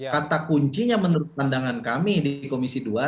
kata kuncinya menurut pandangan kami di komisi dua